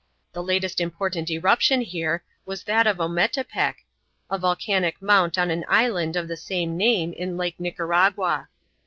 The latest important eruption here was that of Ometepec, a volcanic mount on an island of the same name in Lake Nicaragua.